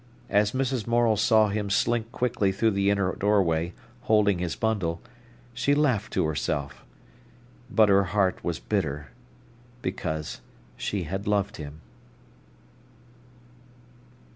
As Mrs. Morel saw him slink quickly through the inner doorway, holding his bundle, she laughed to herself: but her heart was bitter, because she had loved him.